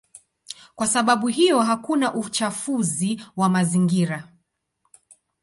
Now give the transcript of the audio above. Kwa sababu hiyo hakuna uchafuzi wa mazingira.